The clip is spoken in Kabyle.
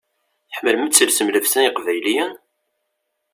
Tḥemmlem ad telsem llebsa n yeqbayliyen?